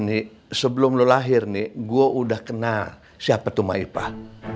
ini sebelum lo lahir nih gue udah kenal siapa tuh maipah